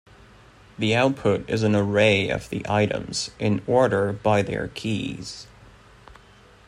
The output is an array of the items, in order by their keys.